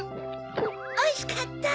おいしかった！